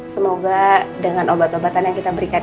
semoga dengan obat obatan yang kita berikan